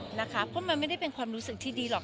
เพราะมันไม่ได้เป็นความรู้สึกที่ดีหรอก